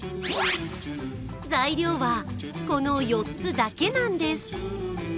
材料はこの４つだけなんです。